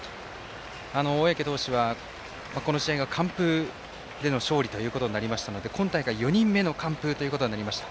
小宅投手はこの試合が完封での勝利となりましたので今大会４人目の完封ということになりました。